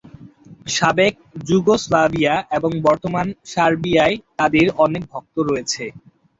সাবেক যুগোস্লাভিয়া এবং বর্তমান সার্বিয়ায় তাদের অনেক ভক্ত রয়েছে।